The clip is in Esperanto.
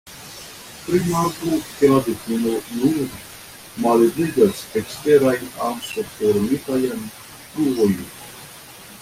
Rimarku ke la difino nur malebligas eksteraj anso-formitajn truoj.